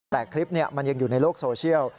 แต่คลิปมันยังอยู่ในโลกโซเชียล